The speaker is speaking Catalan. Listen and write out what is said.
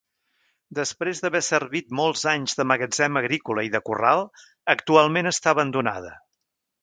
Després d'haver servit molts anys de magatzem agrícola i de corral, actualment està abandonada.